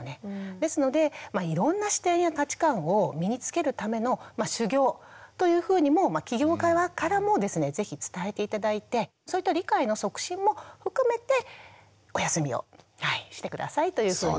ですのでいろんな視点や価値観を身につけるための修業というふうにも企業側からもですね是非伝えて頂いてそういった理解の促進も含めてお休みをして下さいというふうに言って頂きたいなというふうに思います。